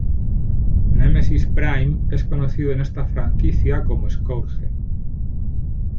Nemesis Prime es conocido en esta franquicia como Scourge.